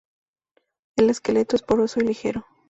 El esqueleto es poroso y ligero.